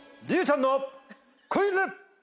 隆ちゃんのクイズ！